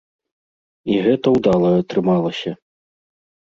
І гэта ўдала атрымалася.